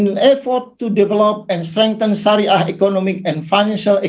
dalam usaha untuk membangun dan memperkuat ekonomi dan ekosistem finansial sariah